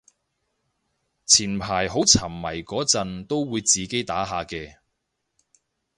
前排好沉迷嗰陣都會自己打下嘅